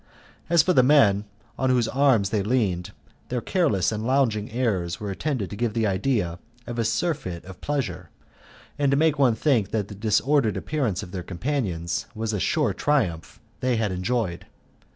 As for the men, on whose arms they leaned, their careless and lounging airs were intended to give the idea of a surfeit of pleasure, and to make one think that the disordered appearance of their companions was a sure triumph they had enjoyed.